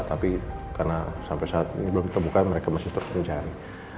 tapi karena sampai saat ini belum ditemukan mereka masih terus mencari